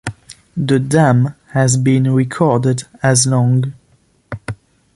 The dam has been recorded as long.